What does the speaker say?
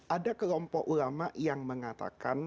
ada kelompok ulama yang mengatakan